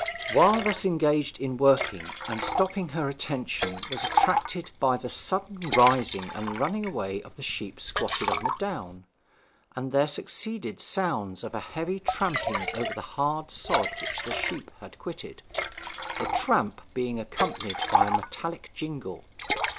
While thus engaged in working and stopping her attention was attracted by the sudden rising and running away of the sheep squatted on the down; and there succeeded sounds of a heavy tramping over the hard sod which the sheep had quitted, the tramp being accompanied by a metallic jingle.